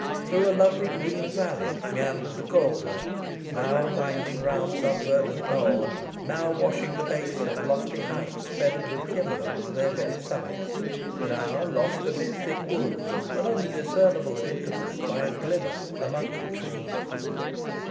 Through a lovely green valley meandered the Calder, now winding round some verdant knoll, now washing the base of lofty heights feathered with timber to their very summits, now lost amid thick woods, and only discernible at intervals by a glimmer amongst the trees.